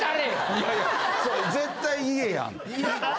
いやいやそれ絶対家やん。